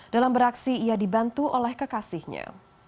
dalam beraksi ia dibantu oleh kekasihnya